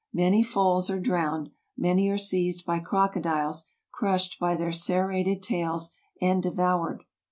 Many foals are drowned, many are seized by crocodiles, crushed by their serrated tails, and devoured.